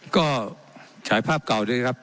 ก็ฉายภาพเก่าด้วยนะครับ